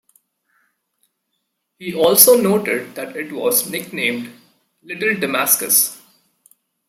He also noted that it was nicknamed Little Damascus.